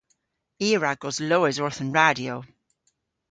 I a wra goslowes orth an radyo.